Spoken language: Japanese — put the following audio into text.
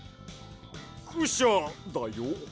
クシャだよ。